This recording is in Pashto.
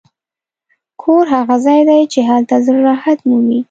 کور هغه ځای دی چې هلته زړه راحت مومي.